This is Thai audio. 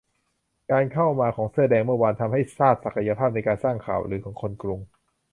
การเข้ามาของเสื้อแดงเมื่อวานทำให้ทราบศักยภาพในการสร้างข่าวลือของคนกรุง